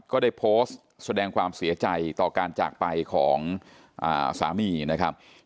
ก็ได้โพสต์แสดงความเสียใจต่อการจากไปของสามีนะครับ